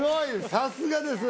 さすがです